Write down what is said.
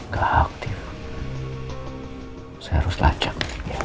gak aktif saya harus lacak